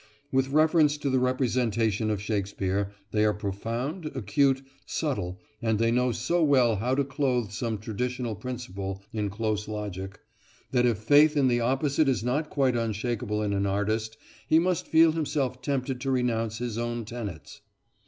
With reference to a presentation of Shakespeare, they are profound, acute, subtle, and they know so well how to clothe some traditional principle in close logic, that if faith in the opposite is not quite unshakable in an artist, he must feel himself tempted to renounce his own tenets.